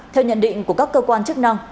theo nhận định của các cơ quan chức năng